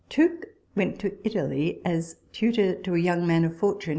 * Tooke went to Italy as tutor to a young man of fortune